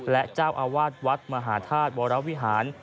และเจ้าอาวาสวัดมหาธาตุวรวิหาร